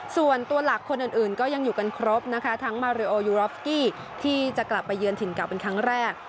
ส่วนตัวหลักคนอื่นก็ยังอยู่กันครบนะคะทั้งมาริโอยูรอฟสกี้ที่จะกลับไปเยือนถิ่นเก่าเป็นครั้งแรก